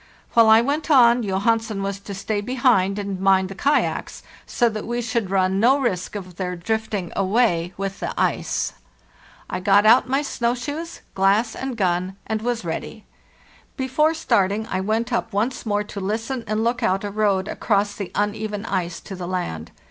While I went on, Johansen was to stay behind and mind the kayaks, so that we should run no THE JOURNEY SOUTHWARD 527 risk of their drifting away with the ice. I got out my snow shoes, glass, and gun, and was ready. Before starting I went up once more to listen and look out a road across the uneven ice to the land.